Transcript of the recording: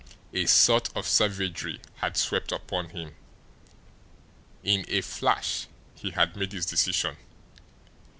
A sort of savagery had swept upon him. In a flash he had made his decision.